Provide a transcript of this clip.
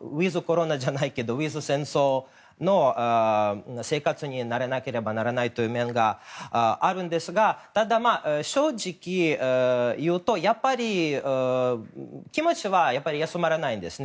ウィズコロナじゃないけどウィズ戦争の生活に慣れなければならない面があるんですがただ、正直言うとやっぱり、気持ちは休まらないんですね。